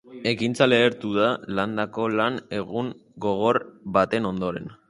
Ekaitza lehertu da landako lan egun gogor baten ondoren.